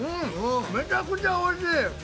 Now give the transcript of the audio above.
◆めちゃくちゃおいしい！